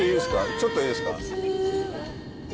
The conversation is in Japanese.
ちょっといいですか？